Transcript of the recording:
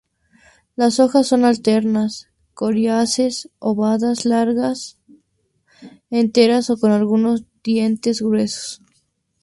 Las hojas son alternas, coriáceas, ovadas largas, enteras o con algunos dientes gruesos.